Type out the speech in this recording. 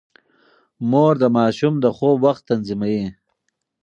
مور د ماشوم د خوب وخت تنظيموي.